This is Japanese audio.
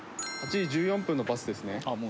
８時１４分のバスですね